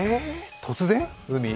突然、海？